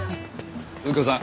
右京さん